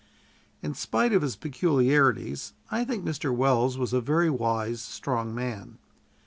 In spite of his peculiarities, I think Mr. Welles was a very wise, strong man.